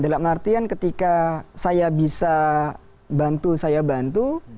dalam artian ketika saya bisa bantu saya bantu